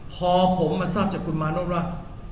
พอผมมาทราบจากคุณมานพว่า